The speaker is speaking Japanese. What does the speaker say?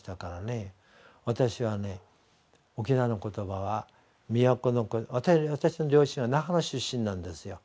私はね沖縄の言葉は宮古の私の両親は那覇の出身なんですよ。